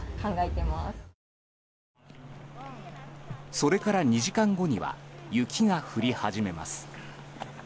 それから２時間後には雪が降り始めます。